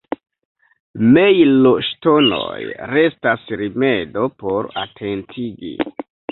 Mejloŝtonoj restas rimedo por atentigi.